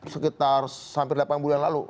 sekitar hampir delapan bulan lalu